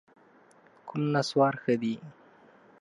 کوم نسوار ښه دي؟